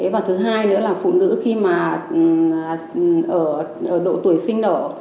và thứ hai nữa là phụ nữ khi mà ở độ tuổi sinh nở